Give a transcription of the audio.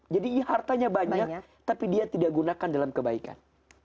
jadi hartanya banyak tapi dia tidak digunakan dalam kebaikan